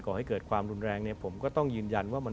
ให้เกิดความรุนแรงเนี่ยผมก็ต้องยืนยันว่ามัน